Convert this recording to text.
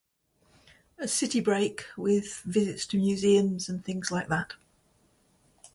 A city break with visits to museums, and things like that.